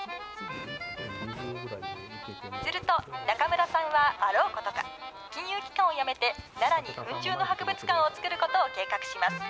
すると、中村さんはあろうことか、金融機関を辞めて、奈良にフン虫の博物館を作ることを計画します。